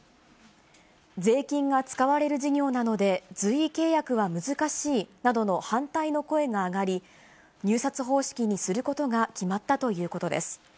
税金が使われる事業なので、随意契約は難しいなどの反対の声が上がり、入札方式にすることが決まったということです。